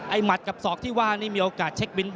หมัดกับศอกที่ว่านี่มีโอกาสเช็คบิน